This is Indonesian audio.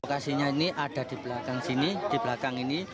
lokasinya ini ada di belakang sini di belakang ini